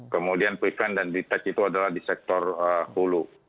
kemudian preven dan detect itu adalah di sektor hulu